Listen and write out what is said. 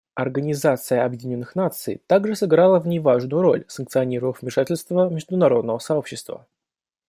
Организация Объединенных Наций также сыграла в ней важную роль, санкционировав вмешательство международного сообщества.